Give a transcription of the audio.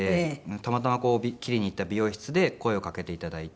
たまたま切りに行った美容室で声をかけて頂いて。